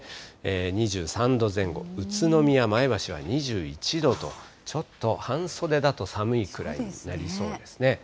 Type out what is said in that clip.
２３度前後、宇都宮、前橋は２１度と、ちょっと半袖だと寒いくらいになりそうですね。